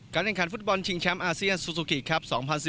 แห่งขันฟุตบอลชิงแชมป์อาเซียนซูซูกิครับ๒๐๑๙